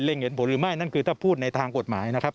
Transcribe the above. เห็นผลหรือไม่นั่นคือถ้าพูดในทางกฎหมายนะครับ